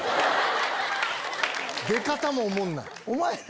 出方もおもんない。